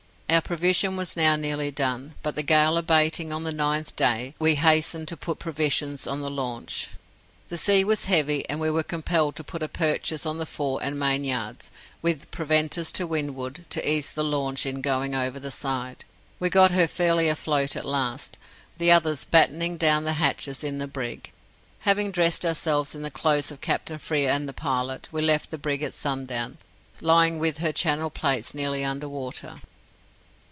Our provision was now nearly done, but the gale abating on the ninth day, we hastened to put provisions on the launch. The sea was heavy, and we were compelled to put a purchase on the fore and main yards, with preventers to windward, to ease the launch in going over the side. We got her fairly afloat at last, the others battening down the hatches in the brig. Having dressed ourselves in the clothes of Captain Frere and the pilot, we left the brig at sundown, lying with her channel plates nearly under water.